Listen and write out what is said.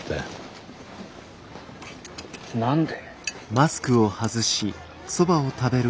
何で。